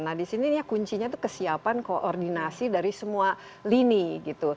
nah di sini kuncinya itu kesiapan koordinasi dari semua lini gitu